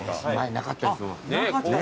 なかったんですね。